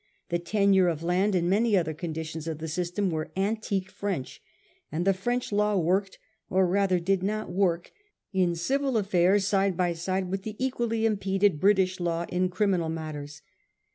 The tenure of land and many other conditions of the system were antique French, and the French law worked, or rather did not work, in civil affairs side by side with the equally impeded British law in criminal matters.